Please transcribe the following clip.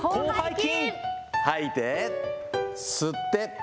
吐いて、吸って。